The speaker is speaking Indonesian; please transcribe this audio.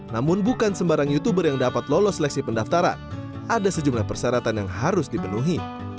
namun bukan sembarang youtuber yang dapat lolos seleksi pendaftaran ada sejumlah persyaratan yang harus dipenuhi